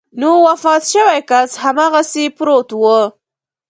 نو وفات شوی کس هماغسې پروت و.